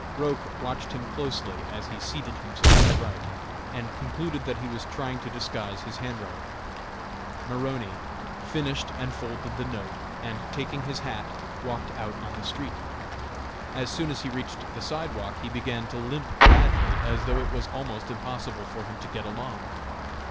Roch watched him closely as he seated himself to write, and concluded that he was trying to disguise his hand writing. Maroney finished and folded the note, and taking his hat, walked out on the street. As soon as he reached the sidewalk, he began to limp badly, as though it was almost impossible for him to get along.